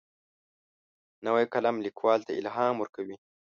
نوی قلم لیکوال ته الهام ورکوي